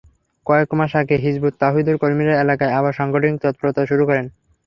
কয়েক মাস আগে হিজবুত তওহিদের কর্মীরা এলাকায় আবার সাংগঠনিক তৎপরতা শুরু করেন।